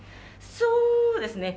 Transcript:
そうですね。